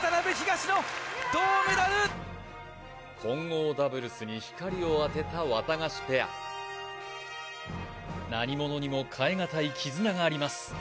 混合ダブルスに光を当てたワタガシペア何ものにもかえがたい絆があります